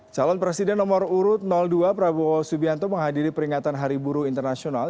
calon presiden nomor urut dua prabowo subianto menghadiri peringatan hari buruh internasional